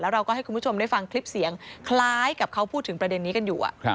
เราก็ให้คุณผู้ชมได้ฟังคลิปเสียงคล้ายกับเขาพูดถึงประเด็นนี้กันอยู่